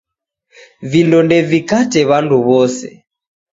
Vindo ndevikate w'andu w'ose.